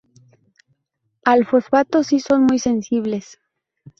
Al fosfato si son muy sensibles.